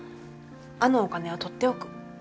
あのお金は取っておく。